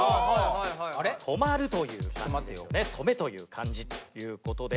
「止まる」という漢字ですね「止め」という漢字という事で。